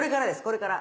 これから。